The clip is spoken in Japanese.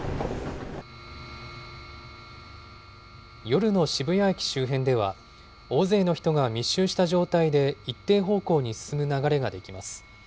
夜の渋谷駅周辺では、大勢の人が密集した状態で、一定方向に進む流れができます。